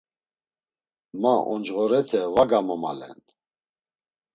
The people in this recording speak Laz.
Ma oncğorete va gamomalen.